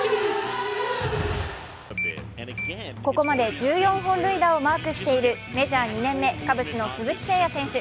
ここまで１４本塁打をマークしているメジャー２年目、カブスの鈴木誠也選手。